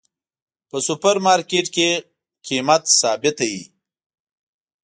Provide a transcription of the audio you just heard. په سوپر مرکیټ کې قیمت ثابته وی